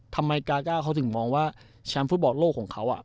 ทำไมกาก้าเขาถึงมองว่าแชมป์ฟุตบอลโลกของเขา